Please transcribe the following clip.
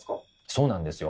そうなんですよ。